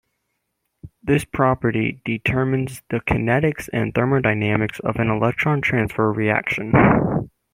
This property determines the kinetics and thermodynamics of an electron transfer reaction.